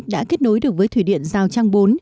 đã kết nối được với thủy điện giao trang bốn